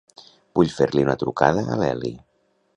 Vull fer-li una trucada a l'Eli.